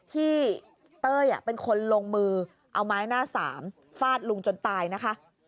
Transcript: เต้ยเป็นคนลงมือเอาไม้หน้าสามฟาดลุงจนตายนะคะ